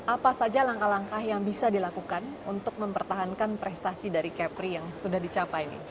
apa saja langkah langkah yang bisa dilakukan untuk mempertahankan prestasi dari kepri yang sudah dicapai ini